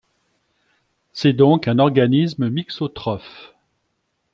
C'est donc un organisme mixotrophe.